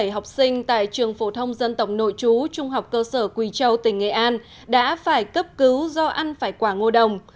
bảy học sinh tại trường phổ thông dân tộc nội chú trung học cơ sở quỳ châu tỉnh nghệ an đã phải cấp cứu do ăn phải quả ngô đồng